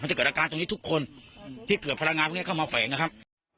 จะเกิดอาการตรงนี้ทุกคนที่เกิดพลังงานพวกนี้เข้ามาแฝงนะครับ